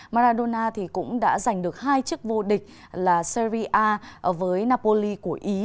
maradona cũng đã giành được hai chiếc vô địch là serie a với napoli của ý